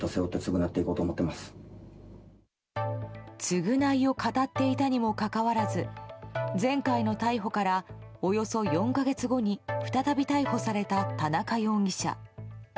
償いを語っていたにもかかわらず前回の逮捕からおよそ４か月後に再び逮捕された田中容疑者。